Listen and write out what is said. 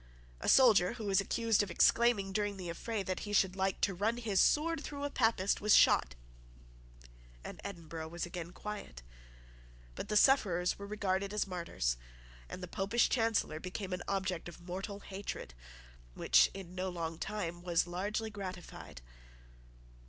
A soldier, who was accused of exclaiming, during the affray, that he should like to run his sword through a Papist, was shot; and Edinburgh was again quiet: but the sufferers were regarded as martyrs; and the Popish Chancellor became an object of mortal hatred, which in no long time was largely gratified.